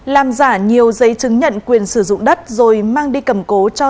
làm giả nhiều giấy chứng nhận quyền sử dụng đất rồi mang đi cầm cố